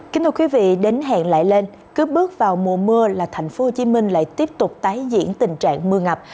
kính thưa quý vị đến hẹn lại lên cứ bước vào mùa mưa là thành phố hồ chí minh lại tiếp tục tái diễn tình trạng mưa ngập